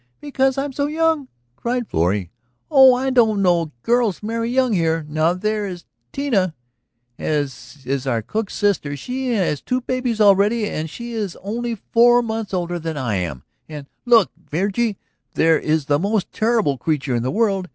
"Because I am so young?" cried Florrie. "Oh, I don't know; girls marry young here. Now there is Tita ... she is our cook's sister ... she has two babies already and she is only four months older than I am. And ... Look, Virgie; there is the most terrible creature in the world.